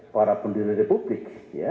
para pendiri republik